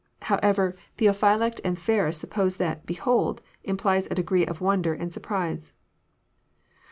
However, Theophylact and Ferns suppose that "Behold" implies a degree of wonder and surprise.